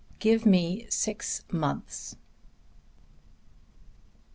GIVE ME SIX MONTHS.